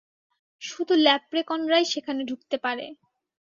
শুধুমাত্র ল্যাপ্রেকনরাই সেখানে ঢুকতে পারে।